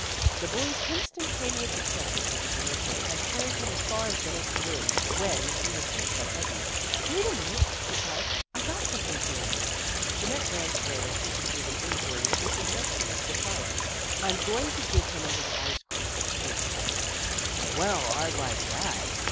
The boy's instantaneous acceptance of the permission had carried him as far as the next room when he was checked by Peggy. " Wait a minute," she cried, " I've got something for you." She met Graham's air of disapproving inquiry with a suggestion of defiance. " I'm going to give him a little ice cream," she ex plained. " Well, I like that!